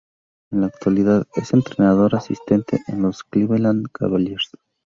En la actualidad es entrenador asistente en los Cleveland Cavaliers.